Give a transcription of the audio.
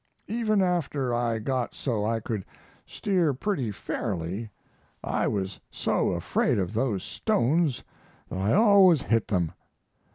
Even after I got so I could steer pretty fairly I was so afraid of those stones that I always hit them.